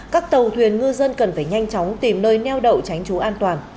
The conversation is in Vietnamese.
các tàu thuyền ngư dân cần phải nhanh chóng tìm nơi neo đậu tránh trú an toàn